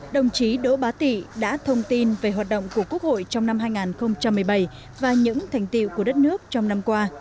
đồng chí đỗ bá tị đã thông tin về hoạt động của quốc hội trong năm hai nghìn một mươi bảy và những thành tiệu của đất nước trong năm qua